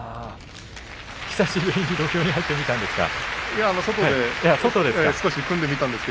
久しぶりに土俵に入ってきたんですか？